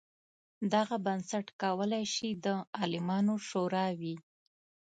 دغه بنسټ کولای شي د عالمانو شورا وي.